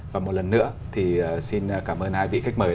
và một lần nữa thì xin cảm ơn hai vị khách mời